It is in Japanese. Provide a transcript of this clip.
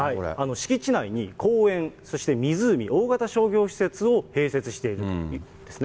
敷地内に公園、そして湖、大型商業施設を併設しているということですね。